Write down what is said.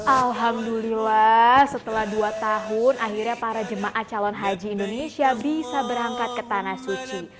alhamdulillah setelah dua tahun akhirnya para jemaah calon haji indonesia bisa berangkat ke tanah suci